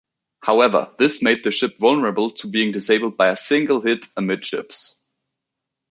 However, this made the ship vulnerable to being disabled by a single hit amidships.